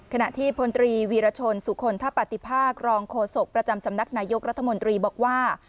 ขณะที่พลตรีวีรชนสุคลทะปฏิภาครองโฆษกประจำสำนักนายกรัฐมนตรีบอกว่า